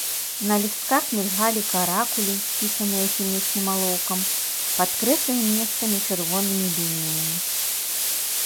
На лістках мільгалі каракулі, пісаныя хімічным алоўкам, падкрэсленым месцамі чырвонымі лініямі.